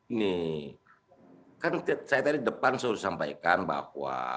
ini kan saya tadi depan sudah sampaikan bahwa